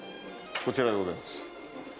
こちらでございます。